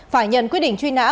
phải nhận quyết định truy nã